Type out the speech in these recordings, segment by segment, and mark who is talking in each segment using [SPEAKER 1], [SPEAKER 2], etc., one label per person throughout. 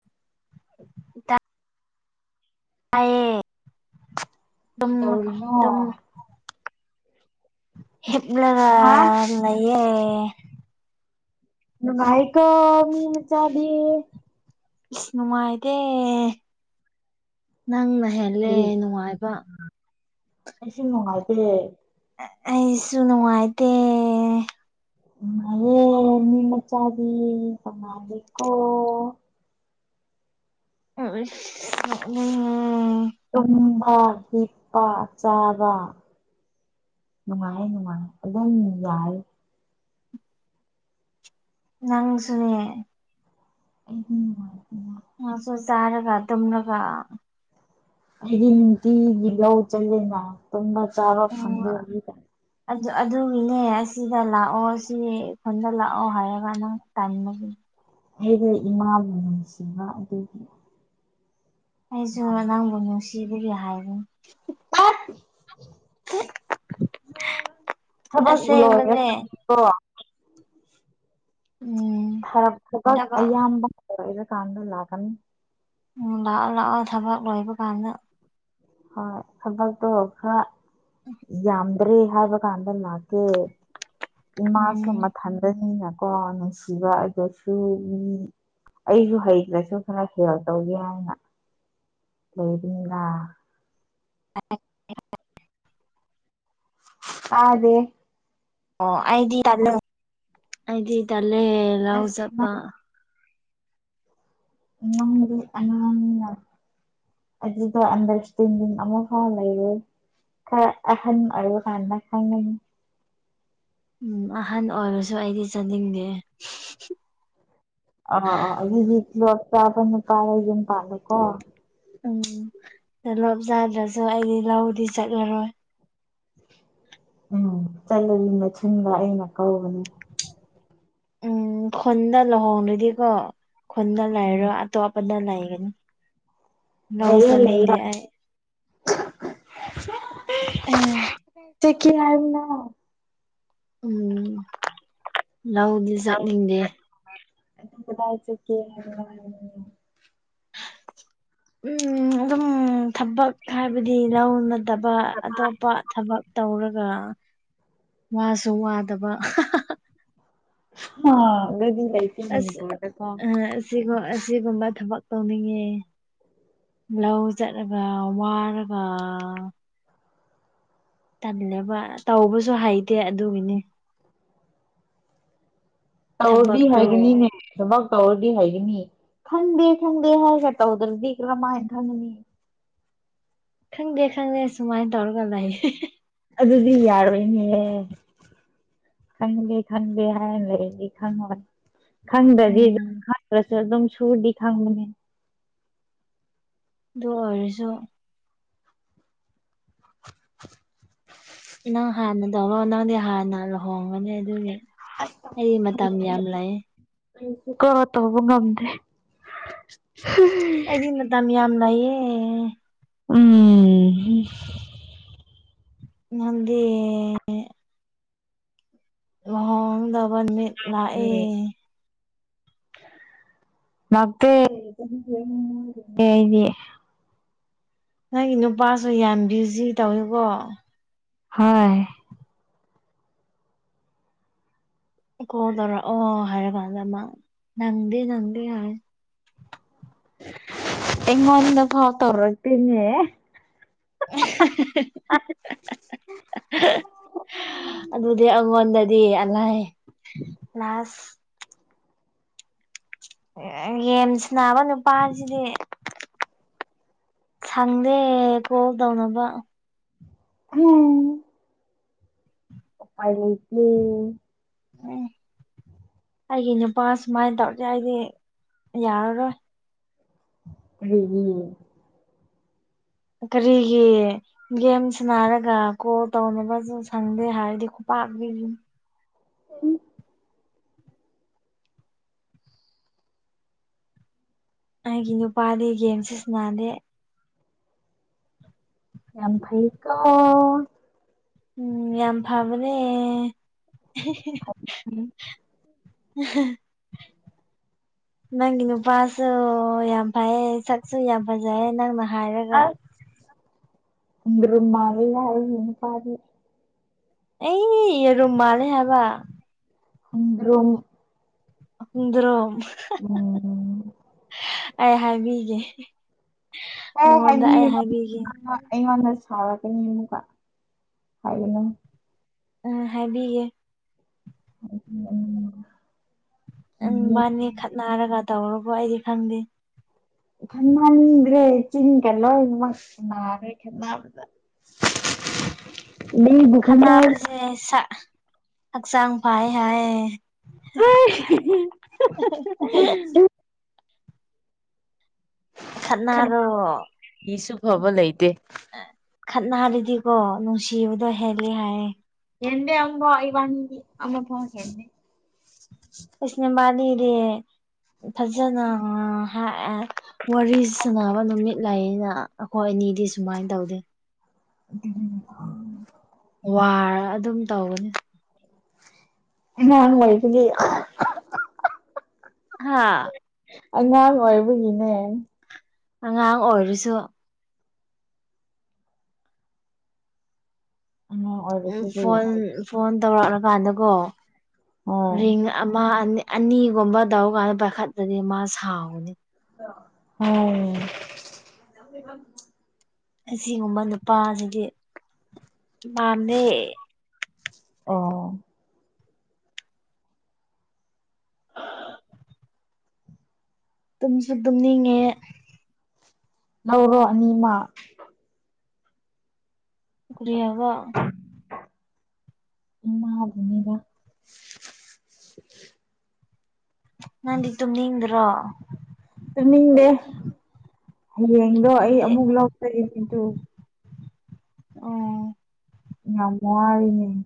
[SPEAKER 1] [unintelligible] ꯇꯥꯌꯦ
[SPEAKER 2] ꯀꯩ ꯇꯧꯔꯤꯅꯣ
[SPEAKER 1] [unintelligible] ꯍꯤꯞꯂꯒ
[SPEAKER 2] ꯍꯥ
[SPEAKER 1] ꯂꯌꯦ
[SPEAKER 2] ꯅꯨꯡꯉꯥꯏꯀꯣ ꯃꯤ ꯃꯆꯥꯗꯤ
[SPEAKER 1] ꯏꯁ ꯅꯨꯡꯉꯥꯏꯇꯦ ꯅꯪꯅ ꯍꯦꯜꯂꯦ
[SPEAKER 2] ꯀꯔꯤ
[SPEAKER 1] ꯅꯨꯡꯉꯥꯏꯕ
[SPEAKER 2] ꯑꯩꯁꯨ ꯅꯨꯡꯉꯥꯏꯇꯦ
[SPEAKER 1] ꯑꯩꯁꯨ ꯅꯨꯡꯉꯥꯏꯇꯦ
[SPEAKER 2] ꯅꯨꯡꯉꯥꯏꯌꯦ ꯃꯤ ꯃꯆꯥꯗꯤ ꯅꯨꯡꯉꯥꯏꯔꯦꯀꯣ
[SPEAKER 1] ꯑꯣꯏ ꯏꯁ ꯅꯣꯛꯅꯤꯡ
[SPEAKER 2] ꯇꯨꯝꯕꯥ ꯍꯤꯞꯄꯥ ꯆꯥꯕꯥ ꯅꯨꯡꯉꯥꯏ ꯅꯨꯡꯉꯥꯏ ꯑꯗꯨꯝ ꯌꯥꯏ
[SPEAKER 1] ꯅꯪꯁꯨꯅꯦ
[SPEAKER 2] ꯑꯩꯗꯤ ꯅꯨꯡꯉꯥꯏ ꯔꯛꯅꯤꯅꯥ
[SPEAKER 1] [unintelligible] ꯆꯥꯔꯒ ꯇꯨꯝꯔꯒ
[SPEAKER 2] ꯑꯩꯗꯤ ꯅꯨꯇꯤꯒꯤ ꯂꯎ ꯆꯜꯂꯦꯅ ꯇꯨꯝꯕ ꯆꯥꯕ
[SPEAKER 1] ꯎꯝ
[SPEAKER 2] ꯐꯪꯗꯦ ꯍꯧꯖꯤꯛꯀꯥꯟ
[SPEAKER 1] ꯑꯗꯨꯒꯤꯅꯦ ꯑꯁꯤꯗ ꯂꯥꯛꯑꯣ ꯁꯤ ꯁꯣꯝꯗ ꯂꯥꯛꯑꯣ ꯍꯥꯏꯔꯒ ꯅꯪ ꯇꯟꯕꯒꯤ
[SPEAKER 2] ꯑꯩꯗꯨ ꯏꯃꯥꯕꯨ ꯅꯨꯡꯁꯤꯡꯕ ꯑꯗꯨꯒꯤ
[SPEAKER 1] ꯑꯩꯁꯨ ꯅꯪꯕꯨ ꯅꯨꯡꯁꯤꯕꯒꯤ ꯍꯥꯏꯕꯅꯤ
[SPEAKER 2] ꯇꯠ ꯊꯕꯛ ꯂꯣꯏꯔꯦ
[SPEAKER 1] ꯑꯁꯦꯡꯕꯅꯦ
[SPEAKER 2] ꯑꯣ
[SPEAKER 1] ꯎꯝ
[SPEAKER 2] ꯊꯕꯛ ꯑꯌꯥꯝꯕ ꯂꯣꯏꯔꯀꯥꯟꯗ ꯂꯥꯛꯀꯅꯤ
[SPEAKER 1] ꯎꯪ ꯂꯥꯛꯑꯣ ꯂꯥꯛꯑꯣ ꯊꯕꯛ ꯂꯣꯏꯕ ꯀꯥꯟꯗ
[SPEAKER 2] ꯍꯣꯏ ꯊꯕꯛꯇꯣ ꯈꯔ ꯌꯥꯝꯗ꯭ꯔꯦ ꯍꯥꯏꯕ ꯀꯥꯟꯗ ꯂꯥꯛꯀꯦ ꯏꯃꯥꯁꯨ
[SPEAKER 1] ꯎꯝ
[SPEAKER 2] ꯃꯊꯟꯗꯅꯤꯅꯀꯣ ꯅꯨꯡꯁꯤꯕ ꯑꯗꯨꯁꯨ ꯃꯤ ꯑꯩꯁꯨ ꯍꯩꯇ꯭ꯔꯁꯨ ꯈꯔ ꯁꯤꯌꯔ ꯇꯧꯒꯦ ꯍꯥꯏꯅ ꯂꯩꯕꯤꯡꯂꯥ
[SPEAKER 1] [unintelligible]
[SPEAKER 2] ꯇꯥꯗꯦ
[SPEAKER 1] ꯑꯣ ꯑꯩꯗꯤ ꯇꯜꯂꯦ ꯑꯩꯗꯤ ꯇꯜꯂꯦ ꯂꯧ
[SPEAKER 2] ꯑꯁ ꯅꯪ
[SPEAKER 1] ꯆꯠꯄ
[SPEAKER 2] ꯅꯪꯗꯤ ꯑꯉꯥꯡꯅꯤꯅꯥ ꯑꯗꯨꯒ ꯑꯟꯗ꯭ꯔꯁꯇꯦꯟꯗꯤꯡ ꯑꯃ ꯐꯥꯎ ꯂꯩꯔꯣꯢ ꯈꯔ ꯑꯍꯟ ꯑꯣꯢꯕ ꯀꯥꯟꯗ ꯈꯪꯉꯅꯤ
[SPEAKER 1] ꯎꯝ ꯑꯍꯟ ꯑꯣꯏꯔꯁꯨ ꯑꯩꯗꯤ ꯆꯠꯅꯤꯡꯗꯦ
[SPEAKER 2] ꯑ ꯑꯗꯨꯗꯤ ꯇꯣꯂꯣꯞ ꯆꯥꯕ ꯅꯨꯄꯥꯗ ꯌꯨꯝ ꯄꯥꯜꯂꯨꯀꯣ
[SPEAKER 1] ꯎꯝ ꯇꯣꯂꯣꯞ ꯆꯥꯗ꯭ꯔꯁꯨ ꯑꯩꯗꯤ ꯂꯧꯗꯤ ꯆꯠꯂꯔꯣꯏ
[SPEAKER 2] ꯎꯝ ꯆꯠꯂꯗꯤ ꯃꯊꯨꯟꯗ ꯑꯩꯅ ꯀꯧꯒꯅꯤ
[SPEAKER 1] ꯎꯝ ꯈꯨꯟꯗ ꯂꯨꯍꯣꯡꯂꯗꯤꯀꯣ ꯈꯨꯟꯗ
[SPEAKER 2] ꯎꯝ
[SPEAKER 1] ꯂꯩꯔꯣꯢ ꯑꯇꯣꯞꯄꯗ ꯂꯩꯒꯅꯤ ꯂꯧ
[SPEAKER 2] ꯂꯩꯔꯣ ꯂꯩꯌꯣ
[SPEAKER 1] ꯆꯠꯅꯤꯡꯗꯦ ꯑꯩ
[SPEAKER 2] ꯆꯠꯀꯦ ꯍꯥꯏꯌꯨꯅ
[SPEAKER 1] ꯎꯝ ꯂꯧꯗꯤ
[SPEAKER 2] ꯂꯧ
[SPEAKER 1] ꯆꯠꯅꯤꯡꯗꯦ
[SPEAKER 2] ꯆꯠꯅꯤꯡꯉꯦ ꯑꯗꯨ ꯀꯗꯥꯢ ꯆꯠꯀꯦ ꯍꯥꯢꯕꯅꯣ ꯍꯥꯢꯕꯅꯤ
[SPEAKER 1] ꯎꯝ ꯑꯗꯨꯝ ꯊꯕꯛ ꯍꯥꯏꯕꯗꯤ ꯂꯧꯅꯠꯇꯕ ꯑꯇꯣꯞꯄ ꯊꯕꯛ ꯇꯧꯔꯒ ꯋꯥꯁꯨ ꯋꯥꯗꯕ
[SPEAKER 2] ꯍꯥ ꯒꯔꯤ ꯂꯩ
[SPEAKER 1] ꯑꯁ ꯑ ꯑꯁꯤ ꯑꯁꯤꯒꯨꯝꯕ ꯊꯕꯛ ꯇꯧꯅꯤꯡꯉꯦ ꯂꯧ ꯆꯠꯂꯒ ꯋꯥꯔꯒ ꯇꯜꯂꯦꯕ ꯇꯧꯕꯁꯨ ꯍꯩꯇꯦ ꯑꯗꯨꯒꯤꯅꯤ
[SPEAKER 2] ꯇꯧꯔꯗꯤ
[SPEAKER 1] ꯊꯕꯛꯇꯣ
[SPEAKER 2] ꯍꯥꯏꯒꯅꯤꯅꯦ ꯊꯕꯛ ꯇꯧꯔꯗꯤ ꯍꯩꯒꯅꯤ ꯈꯪꯗꯦ ꯈꯪꯗꯦ ꯍꯥꯏꯔꯒ ꯇꯧꯗ꯭ꯔꯗꯤ ꯀꯔꯝꯃꯥꯏꯅ ꯈꯪꯒꯅꯤ
[SPEAKER 1] ꯈꯪꯗꯦ ꯈꯪꯗꯦ ꯁꯨꯃꯥꯏꯅ ꯇꯧꯔꯒ ꯂꯩꯌꯦ
[SPEAKER 2] ꯑꯗꯨꯗꯤ ꯌꯥꯔꯣꯏꯅꯦ ꯈꯪꯗꯦ ꯈꯪꯗꯦ ꯍꯥꯏꯔ ꯂꯩꯔꯗꯤ ꯈꯪꯉꯣꯏ ꯈꯪꯗ꯭ꯔꯗꯤ ꯗꯨꯝ
[SPEAKER 1] ꯎꯝ
[SPEAKER 2] ꯈꯪꯗ꯭ꯔꯁꯨ ꯑꯗꯨꯝ ꯁꯨꯔꯗꯤ ꯈꯪꯕꯅꯦ
[SPEAKER 1] ꯑꯗꯨ ꯑꯣꯏꯔꯁꯨ
[SPEAKER 2] [unintelligible]
[SPEAKER 1] ꯅꯪ ꯍꯥꯟꯅ ꯇꯧꯔꯣ ꯅꯪꯗꯤ ꯍꯥꯟꯅ ꯂꯨꯍꯣꯡꯒꯅꯤ ꯑꯗꯨꯒꯤ ꯑꯩ ꯃꯇꯝ ꯌꯥꯝ ꯂꯩ
[SPEAKER 2] ꯑꯩꯁꯨꯀꯣ ꯇꯧꯕ ꯉꯝꯗꯦ
[SPEAKER 1] ꯑꯩꯗꯤ ꯃꯇꯥꯝ ꯌꯥꯝ ꯂꯩꯌꯦ
[SPEAKER 2] ꯎꯝ
[SPEAKER 1] ꯉꯝꯗꯦ ꯂꯨꯍꯣꯡꯗꯕ ꯃꯤꯠ ꯂꯥꯛꯑꯦ
[SPEAKER 2] ꯑꯦ ꯂꯥꯛꯇꯦ [inaudible] ꯗꯤ
[SPEAKER 1] ꯅꯪꯒꯤ ꯅꯨꯄꯥꯁꯨ ꯌꯥꯝ ꯕꯤꯖꯤ ꯇꯧꯏꯀꯣ
[SPEAKER 2] ꯍꯣꯏ
[SPEAKER 1] ꯀꯣ ꯇꯧꯔꯥ ꯑꯣ ꯍꯥꯏꯔꯛꯀꯟꯗ ꯃ ꯅꯪꯗꯦ ꯅꯪꯗꯦ ꯍꯥꯏꯔ
[SPEAKER 2] ꯑꯦꯉꯣꯟꯗ ꯐꯥꯎ ꯇꯧꯛꯇꯦꯅꯦ
[SPEAKER 1] [inaudible] ꯑꯗꯨꯗꯤ ꯑꯩꯉꯣꯟꯗꯗꯤ ꯑꯂꯥꯏ ꯂꯥꯁ ꯌꯦꯟꯁꯅꯕ ꯅꯨꯄꯥꯁꯤꯗꯤ ꯁꯪꯗꯦ ꯀꯣꯜ ꯇꯧꯅꯕ
[SPEAKER 2] ꯎꯝ ꯑꯨꯄꯥꯏ ꯂꯩꯇꯦ
[SPEAKER 1] ꯎꯝ ꯑꯩꯒꯤ ꯅꯨꯄꯥ ꯁꯨꯃꯥꯏꯅ ꯇꯧꯔꯗꯤ ꯑꯩꯗꯤ ꯌꯥꯔꯔꯣꯏ
[SPEAKER 2] [unintelligible]
[SPEAKER 1] ꯀꯔꯤꯒꯤ ꯒꯦꯝ ꯁꯟꯅꯔꯒ ꯀꯣ ꯇꯧꯅꯕꯁꯨ ꯁꯪꯗꯦ ꯍꯥꯏꯔꯗꯤ ꯈꯨꯄꯥꯛꯅꯤ
[SPEAKER 2] ꯎꯝ
[SPEAKER 1] ꯑꯩꯒꯤ ꯅꯨꯄꯥꯗꯤ ꯒꯦꯝ ꯁꯤꯁꯅꯥꯗꯦ
[SPEAKER 2] ꯌꯥꯝ ꯐꯩꯀꯣ
[SPEAKER 1] ꯎꯝ ꯌꯥꯝ ꯐꯕꯅꯦ ꯅꯪꯒꯤ ꯅꯨꯄꯥꯁꯨ ꯌꯥꯝ ꯐꯩꯌꯦ ꯁꯛꯁꯨ ꯌꯥꯝ ꯐꯖꯩꯌꯦ ꯅꯪꯅ ꯍꯥꯏꯔꯒ
[SPEAKER 2] ꯃꯥ [inaudible] ꯌꯥ ꯍꯥꯏ [unintelligible]
[SPEAKER 1] ꯑꯦꯌꯦꯔꯨꯝ ꯃꯥꯂꯦ ꯍꯥꯏꯕ
[SPEAKER 2] ꯈꯣꯡꯗꯔꯣꯝ
[SPEAKER 1] ꯏꯗ꯭ꯔꯣꯝ
[SPEAKER 2] ꯎꯝ
[SPEAKER 1] ꯑꯩ ꯍꯥꯏꯕꯤꯒꯦ
[SPEAKER 2] ꯑꯦ
[SPEAKER 1] ꯃꯉꯣꯟꯗ ꯑꯩ ꯍꯥꯏꯕꯤꯒꯦ
[SPEAKER 2] ꯍꯥꯏꯕꯤꯔꯨꯅꯨ ꯑꯩꯉꯣꯟꯗ ꯁꯥꯥꯎꯔꯛꯀꯅꯤ ꯑꯃꯨꯀ ꯍꯥꯏꯒꯅꯨ
[SPEAKER 1] ꯎꯝ ꯍꯥꯏꯕꯤꯌꯦ
[SPEAKER 2] ꯍ [inaudible] ꯎꯝ
[SPEAKER 1] ꯅꯪꯕꯅꯤ ꯈꯠꯅꯔꯒ ꯇꯧꯔꯕꯣ ꯑꯩꯗꯤ ꯈꯪꯗꯦ
[SPEAKER 2] ꯈꯟꯅꯗ꯭ꯔꯦ ꯆꯤꯡꯒ ꯂꯣꯏꯅꯃꯛ ꯅꯥꯈ꯭ꯔꯦ ꯈꯟꯕꯗ [inaudible] ꯈꯠꯅꯕ
[SPEAKER 1] ꯈꯥꯟꯕꯁꯦ ꯁꯥ ꯍꯛꯆꯥꯡ ꯐꯥꯏ ꯍꯥꯏ [inaudible] ꯈꯥꯠꯅꯔꯣ
[SPEAKER 2] ꯈꯟꯕꯒꯤꯁꯨ ꯐꯕ ꯂꯩꯇꯦ
[SPEAKER 1] ꯈꯠꯅꯔꯗꯤꯀꯣ ꯅꯨꯡꯁꯤꯕꯗꯣ ꯍꯦꯂꯦ ꯍꯥꯏꯌꯦ
[SPEAKER 2] ꯍꯦꯟꯗꯦ ꯏꯕꯥꯟꯅꯤꯗꯤ ꯑꯃꯐꯥꯎ ꯍꯦꯟꯗꯦ
[SPEAKER 1] ꯑꯁ ꯅꯕꯟꯅꯤꯗꯤ ꯐꯖꯅ ꯑꯥ ꯋꯥꯔꯤ ꯁꯥꯟꯅꯕ ꯅꯨꯃꯤꯠ ꯂꯩꯌꯦꯅ ꯑꯩꯈꯣꯏ ꯑꯅꯤꯗꯤ ꯁꯨꯃꯥꯏꯅ ꯇꯧꯗꯦ
[SPEAKER 2] [unintelligible]
[SPEAKER 1] ꯋꯥꯔ ꯑꯗꯨꯝ ꯇꯧꯒꯅꯤ
[SPEAKER 2] ꯉꯥꯡ ꯑꯣꯏꯕꯗꯤ
[SPEAKER 1] ꯍꯥꯥ
[SPEAKER 2] ꯑꯉꯥꯡ ꯑꯣꯏꯕꯒꯤꯅꯦ
[SPEAKER 1] ꯑꯉꯥꯡ ꯑꯣꯏꯔꯁꯨ
[SPEAKER 2] ꯑꯉꯥꯡ
[SPEAKER 1] ꯎꯝ
[SPEAKER 2] ꯑꯣꯏꯕꯁꯤꯗꯤ
[SPEAKER 1] ꯐꯣꯟ
[SPEAKER 2] ꯍꯣꯏ
[SPEAKER 1] ꯐꯣꯟ ꯇꯧꯔꯛꯂꯀꯥꯟꯗꯀꯣ ꯔꯤꯡ ꯑꯃ ꯑꯅꯤ ꯑꯅꯤꯒꯨꯝꯕ ꯇꯧꯀꯥꯟꯗ ꯄꯥꯏꯈꯠꯇꯗꯤ ꯃꯥ ꯁꯥꯎꯒꯅꯤ
[SPEAKER 2] ꯑꯣ [inaudible]
[SPEAKER 1] ꯑꯁꯤꯒꯨꯝꯕ ꯅꯨꯄꯥꯁꯤꯗꯤ ꯄꯥꯝꯗꯦ
[SPEAKER 2] ꯑꯣ
[SPEAKER 1] ꯇꯨꯝꯁꯨ ꯇꯨꯝꯅꯤꯡꯉꯦ
[SPEAKER 2] ꯂꯧꯔꯣ ꯑꯅꯤꯃꯛ
[SPEAKER 1] ꯀꯔꯤ ꯍꯥꯏꯕ
[SPEAKER 2] ꯏꯃ ꯅꯤꯕ [inaudible]
[SPEAKER 1] ꯅꯪꯗꯤ ꯇꯨꯝꯅꯤꯡꯗ꯭ꯔꯣ
[SPEAKER 2] ꯆꯅꯤꯡꯗꯦ ꯍꯌꯦꯡꯗꯣ ꯑꯩ ꯑꯃꯨꯛ ꯂꯧ [unintelligible]
[SPEAKER 1] ꯑꯣ
[SPEAKER 2] ꯌꯥꯝ ꯋꯥꯔꯤꯔꯤꯅꯦ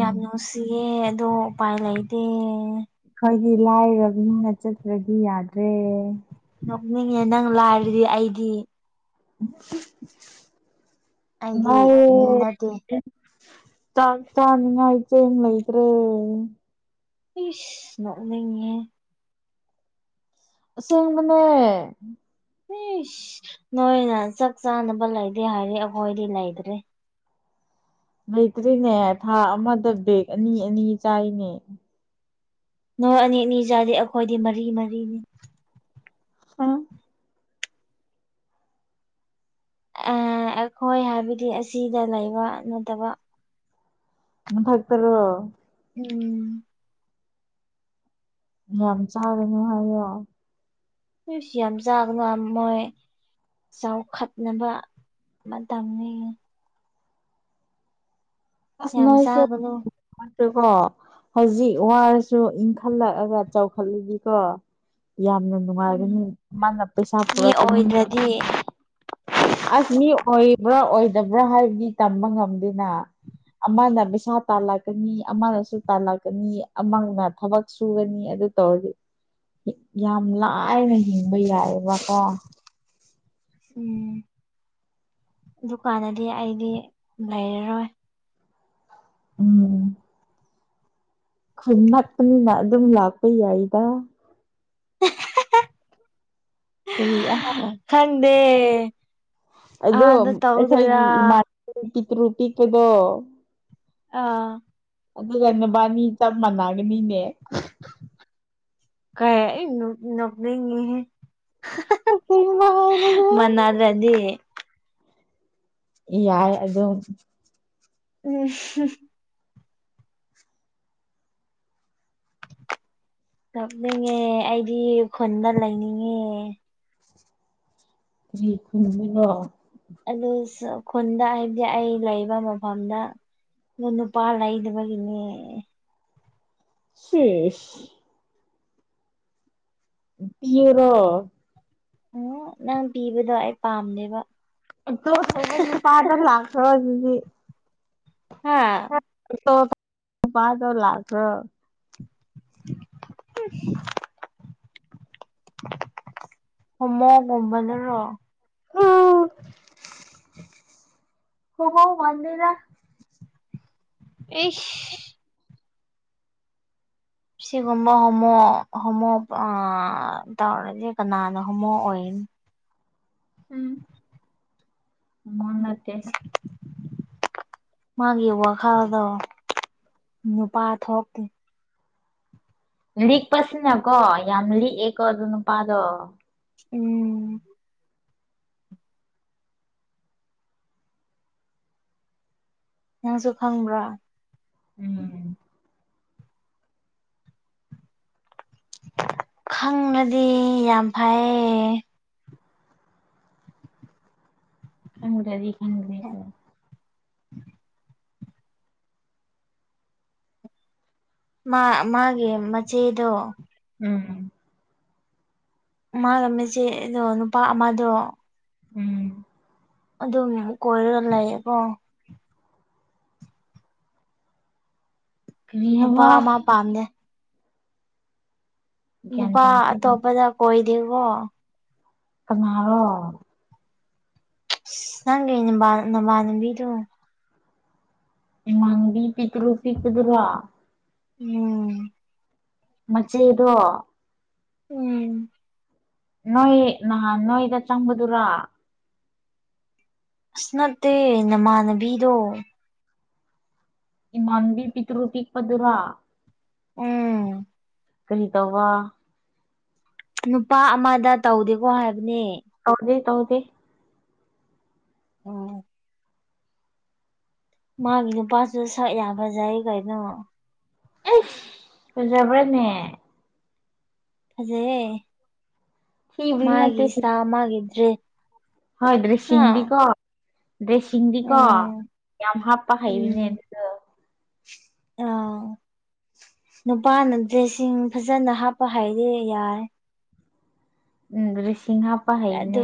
[SPEAKER 1] ꯌꯥꯝ ꯅꯨꯡꯁꯤꯌꯦ ꯑꯗꯣ ꯎꯄꯥꯏ ꯂꯩꯇꯦ
[SPEAKER 2] ꯑꯩꯈꯣꯏꯗꯤ ꯂꯥꯏꯔꯕꯅꯤꯅ ꯆꯠꯇꯔꯗꯤ ꯌꯥꯗ꯭ꯔꯦ
[SPEAKER 1] ꯅꯣꯛꯅꯤꯡꯉꯦ ꯅꯪ ꯂꯥꯏꯔꯔꯗꯤ ꯑꯩꯗꯤ
[SPEAKER 2] ꯑ
[SPEAKER 1] ꯑꯩꯗꯤ
[SPEAKER 2] [unintelligible]
[SPEAKER 1] ꯃꯤ ꯅꯠꯇꯦ
[SPEAKER 2] ꯆꯥꯛ ꯆꯅꯤꯡꯉꯥꯏ ꯆꯦꯡ ꯂꯩꯇ꯭ꯔꯦ
[SPEAKER 1] ꯏꯤꯁ ꯅꯣꯛꯅꯤꯡꯉꯦꯍꯦ
[SPEAKER 2] ꯑꯁꯦꯡꯕꯅꯦ
[SPEAKER 1] ꯏꯁ ꯅꯣꯏꯅ ꯆꯥꯛ ꯆꯥꯅꯕ ꯂꯩꯗꯦ ꯍꯥꯏꯗꯤ ꯑꯩꯈꯣꯏꯗꯤ ꯂꯩꯇ꯭ꯔꯦ
[SPEAKER 2] ꯂꯩꯇ꯭ꯔꯤꯅꯦ ꯊꯥ ꯑꯃꯗ ꯕꯦꯒ ꯑꯅꯤ ꯑꯅꯤ ꯆꯥꯏꯅꯦ
[SPEAKER 1] ꯅꯣꯏ ꯑꯅꯤ ꯑꯅꯤ ꯆꯥꯗꯤ ꯑꯩꯈꯣꯏꯗꯤ ꯃꯔꯤ ꯃꯔꯤꯅꯤ
[SPEAKER 2] ꯍ
[SPEAKER 1] ꯑꯩꯈꯣꯏ ꯍꯥꯏꯕꯗꯤ ꯑꯁꯤꯗ ꯂꯩꯕ ꯅꯠꯇꯕ
[SPEAKER 2] ꯃꯊꯛꯇꯔꯣ
[SPEAKER 1] ꯎꯝ
[SPEAKER 2] ꯌꯥꯝ ꯆꯥꯔꯅꯨ ꯍꯥꯏꯌꯣ
[SPEAKER 1] ꯏꯁ ꯌꯥꯝ ꯆꯥꯔꯒ ꯃꯣꯏ ꯆꯥꯎꯈꯠꯅꯕ ꯃꯇꯝꯅꯦ
[SPEAKER 2] ꯑꯁ
[SPEAKER 1] ꯌꯥꯝ
[SPEAKER 2] ꯅꯣꯏꯁꯨ
[SPEAKER 1] ꯆꯥꯒꯅꯨ
[SPEAKER 2] ꯑꯗꯣꯀꯣ ꯍꯧꯖꯤꯛ ꯋꯥꯔꯁꯨ ꯏꯪꯈꯠꯂꯛꯑꯒ ꯆꯥꯎꯈꯠꯂꯤꯗꯤꯀꯣ ꯌꯥꯝꯅ
[SPEAKER 1] ꯎꯝ
[SPEAKER 2] ꯅꯨꯡꯉꯥꯏꯒꯅꯤ ꯃꯥꯅ ꯄꯩꯁꯥ
[SPEAKER 1] ꯃꯤ
[SPEAKER 2] ꯄꯨꯔꯛꯀꯅꯤ
[SPEAKER 1] ꯑꯣꯏꯗ꯭ꯔꯗꯤ
[SPEAKER 2] ꯑꯁ ꯃꯤ ꯑꯣꯏꯕ꯭ꯔꯥ ꯑꯣꯏꯗꯕ꯭ꯔꯥ ꯍꯥꯏꯕꯗꯤ ꯇꯝꯕ ꯉꯝꯗꯦꯅ ꯑꯃꯅ ꯄꯩꯁꯥ ꯇꯥꯜꯂꯛꯀꯅꯤ ꯑꯃꯅꯁꯨ ꯇꯥꯜꯂꯛꯀꯅꯤ ꯑꯃꯅ ꯊꯕꯛ ꯁꯨꯒꯅꯤ ꯑꯗꯨ ꯇꯧꯔꯗꯤ ꯌꯥꯝ ꯂꯥꯏꯅ ꯍꯤꯡꯕ ꯌꯥꯏꯑꯕꯀꯣ
[SPEAKER 1] ꯎꯝ ꯗꯨꯀꯥꯟꯗꯗꯤ ꯑꯩꯗꯤ ꯂꯩꯔꯔꯣꯏ
[SPEAKER 2] ꯎꯝ ꯈꯨꯟ ꯅꯛꯄꯅꯤꯅ ꯑꯗꯨꯝ ꯂꯥꯛꯄ ꯌꯥꯏꯗ ꯀꯔꯤ
[SPEAKER 1] ꯈꯡꯗꯦ
[SPEAKER 2] ꯑꯗꯣ ꯑꯩꯈꯣꯏꯒꯤ ꯏꯃꯥꯟ ꯄꯤꯛꯇ꯭ꯔꯨ ꯄꯤꯛꯄꯗꯣ
[SPEAKER 1] ꯑꯥ
[SPEAKER 2] ꯑꯗꯨꯒ ꯅꯨꯕꯥꯅꯤ ꯆꯞ ꯃꯥꯟꯅꯒꯅꯤꯅꯦ
[SPEAKER 1] ꯀꯥꯏ ꯑꯩ ꯅꯣꯛ ꯅꯣꯛꯅꯤꯡꯉꯦꯍꯦ
[SPEAKER 2] [unintelligible]
[SPEAKER 1] ꯃꯥꯟꯅꯔꯗꯤ
[SPEAKER 2] ꯌꯥꯏ ꯑꯗꯨ
[SPEAKER 1] ꯎꯝ ꯇꯞꯅꯤꯡꯉꯦ ꯑꯩꯗꯤ ꯈꯨꯟꯅ ꯂꯩꯅꯤꯡꯉꯦ
[SPEAKER 2] ꯀꯔꯤ ꯈꯨꯟꯕꯔꯣ
[SPEAKER 1] ꯑꯗꯨ ꯈꯨꯟꯗ ꯍꯥꯏꯕꯗꯤ ꯑꯩ ꯂꯩꯕ ꯃꯐꯝꯗ ꯃꯅ ꯄꯥꯜ ꯑꯩꯗꯕꯒꯤꯅꯦ
[SPEAKER 2] ꯁꯤꯦꯁ ꯄꯤꯔꯣ
[SPEAKER 1] ꯎ ꯅꯪ ꯄꯤꯕꯗꯣ ꯑꯩ ꯄꯥꯝꯅꯦꯕ
[SPEAKER 2] ꯇꯣ ꯇꯥꯖꯔ ꯂꯥꯛꯁ ꯑꯗꯨꯗꯤ
[SPEAKER 1] ꯍꯥ
[SPEAKER 2] ꯄꯥꯥꯗꯧ ꯂꯥꯛꯀ
[SPEAKER 1] [inaudible] ꯍꯃ ꯃꯣꯕꯥꯏꯜ ꯔꯣ
[SPEAKER 2] ꯎꯝ ꯍꯃꯧ ꯃꯗꯗ
[SPEAKER 1] ꯑꯩ
[SPEAKER 2] [inaudible]
[SPEAKER 1] ꯁꯤꯒꯨꯝꯕ ꯍꯣꯃꯣ ꯍꯣꯃꯣ ꯇꯧꯔꯗꯤ ꯀꯅꯥꯅ ꯍꯣꯃꯣ ꯑꯣꯏꯅꯤꯣ
[SPEAKER 2] ꯎꯝ ꯃꯟꯅꯠꯇꯦ
[SPEAKER 1] ꯃꯥꯒꯤ ꯋꯥꯈꯜꯗꯣ ꯅꯨꯄꯥ ꯊꯣꯛꯇꯦ
[SPEAKER 2] ꯂꯤꯛꯄꯁꯤꯅꯀꯣ ꯌꯥꯝ ꯂꯤꯛꯑꯦꯀꯣ ꯑꯗꯨꯣ ꯅꯨꯄꯥꯗꯣ
[SPEAKER 1] ꯎꯝ ꯅꯪꯁꯨ ꯈꯪꯕ꯭ꯔꯥ
[SPEAKER 2] ꯎꯝ
[SPEAKER 1] ꯈꯪꯅꯗꯤ ꯌꯥꯝ ꯐꯩꯌꯦ
[SPEAKER 2] ꯈꯪꯔꯗꯤ
[SPEAKER 1] ꯍ ꯃꯥ ꯃꯥꯒꯤ ꯃꯆꯦꯗꯣ
[SPEAKER 2] ꯎꯝ
[SPEAKER 1] ꯃꯥꯂꯝꯝꯃꯤꯁꯦ ꯑꯗꯣ ꯅꯨꯄꯥ ꯑꯃꯗꯣ
[SPEAKER 2] ꯎꯝ
[SPEAKER 1] ꯑꯗꯨꯝ ꯀꯣꯏꯔꯒ ꯂꯩꯌꯦꯀꯣ
[SPEAKER 2] ꯀꯔꯤ
[SPEAKER 1] ꯅꯨꯄꯥ
[SPEAKER 2] ꯍꯥꯏꯕ
[SPEAKER 1] ꯑꯃ ꯄꯥꯝꯅꯦ
[SPEAKER 2] ꯒ꯭ꯌꯥꯟ
[SPEAKER 1] ꯅꯨꯄꯥ
[SPEAKER 2] ꯇꯥꯗꯦ
[SPEAKER 1] ꯑꯇꯣꯞꯄꯗ ꯀꯣꯏꯗꯦꯀꯣ
[SPEAKER 2] ꯀꯅꯥꯔꯣ
[SPEAKER 1] ꯅꯪꯦꯅꯤ ꯅꯝꯕꯅꯝꯕꯗꯨ
[SPEAKER 2] ꯏꯃꯥꯟꯅꯕꯤ ꯄꯤꯛꯇꯔꯨ ꯄꯤꯛꯄꯗꯨꯔꯣ
[SPEAKER 1] ꯎꯝ
[SPEAKER 2] ꯃꯆꯦꯗꯣ
[SPEAKER 1] ꯎꯝ
[SPEAKER 2] ꯅꯣꯏ ꯅꯍꯥꯟ ꯅꯣꯏꯗ ꯆꯪꯕꯗꯨꯔꯥ
[SPEAKER 1] ꯑꯁ ꯅꯠꯇꯦ ꯅꯃꯥꯟꯅꯕꯤꯗꯣ
[SPEAKER 2] ꯏꯃꯟꯅꯥꯕꯤ ꯄꯤꯇꯔꯨ ꯄꯤꯛ ꯄꯗꯨꯔꯥ
[SPEAKER 1] ꯎꯝ
[SPEAKER 2] ꯀꯩ ꯇꯧꯕꯧꯕ
[SPEAKER 1] ꯅꯨꯄꯥ ꯑꯃꯗ ꯇꯧꯗꯦꯀꯣ ꯍꯥꯏꯕꯅꯦ
[SPEAKER 2] ꯍꯧꯗꯤ ꯇꯧꯗꯤ
[SPEAKER 1] ꯎꯝ ꯃꯥꯕꯤꯅ ꯄꯆ ꯁ ꯌꯥꯕꯖꯥꯌꯦꯒꯩꯅꯣ
[SPEAKER 2] ꯑꯦ ꯍꯖꯕ꯭ꯔꯅꯦ
[SPEAKER 1] ꯐꯖꯩꯌꯦ
[SPEAKER 2] ꯊꯤꯕꯗꯤ
[SPEAKER 1] ꯃꯥꯒꯤ
[SPEAKER 2] ꯅꯠꯇꯦ
[SPEAKER 1] ꯏꯁꯇꯥꯏꯜ ꯃꯥꯒꯤ ꯗ꯭ꯔꯦꯁ
[SPEAKER 2] ꯍꯣꯏ
[SPEAKER 1] ꯍꯥ
[SPEAKER 2] ꯗ꯭ꯔꯦꯁꯤꯡꯗꯤꯀꯣ ꯗ꯭ꯔꯦꯁꯤꯡꯗꯤꯀꯣ
[SPEAKER 1] ꯎꯝ
[SPEAKER 2] ꯌꯥꯝ ꯍꯥꯞꯄ ꯍꯩꯕꯅꯦ
[SPEAKER 1] ꯎꯝ
[SPEAKER 2] ꯑꯗꯨ
[SPEAKER 1] ꯑꯥ ꯅꯨꯄꯥꯅ ꯗ꯭ꯔꯦꯁꯁꯤꯡ ꯐꯖꯅ ꯍꯥꯞꯄ ꯍꯩꯔꯦ ꯌꯥꯔꯦ
[SPEAKER 2] ꯎꯝ ꯗꯔ꯭ꯦꯁꯁꯤꯡ ꯍꯥꯄ
[SPEAKER 1] ꯑꯗꯨ
[SPEAKER 2] ꯍꯩꯕꯅꯦ